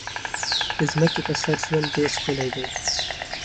د ځمکې په سر ژوند ډېر ښکلی دی.